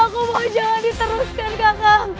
aku mau jangan diteruskan kakak